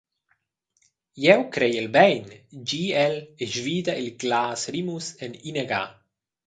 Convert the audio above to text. «Jeu creiel bein», di el e svida il glas Rimuss en ina ga.